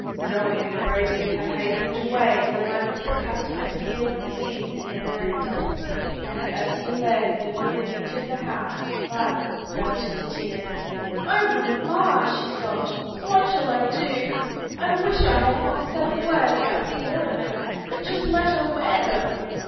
Zoe and Rosie had hastened away the moment the captain appeared upon the scene in the veranda, and as he led Lulu into the house Violet burst into tears. "O mamma!" she sobbed, "what shall I do? I wish I had not said a word about the ornaments, but just let her wear them!